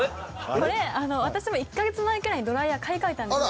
これ私も１か月前ぐらいにドライヤー買い替えたんですよ。